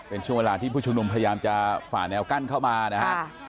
เป็นช่วงเวลาที่ผู้ชุมนุมพยายามจะฝ่าแนวกั้นเข้ามานะครับ